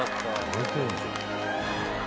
泣いてんじゃん。